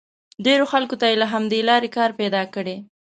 ډېرو خلکو ته یې له همدې لارې کار پیدا کړی.